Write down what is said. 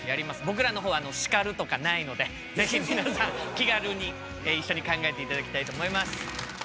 僕らの方は叱るとかないので是非皆さん気軽に一緒に考えて頂きたいと思います。